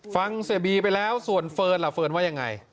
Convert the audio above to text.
ฟังเสียบีไปแล้วส่วนเฟิร์นล่ะเฟิร์นว่ายังไง